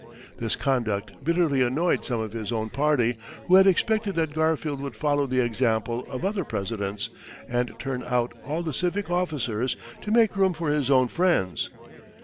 This conduct bitterly annoyed some of his own party, who had expected that Garfield would follow the example of other Presidents, and turn out all the civic officers, to make room for his own friends.